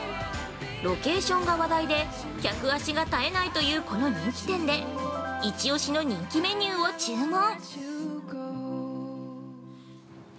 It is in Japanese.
ロケーションが話題で客足が絶えないというこの人気店でイチオシの人気メニューを注文。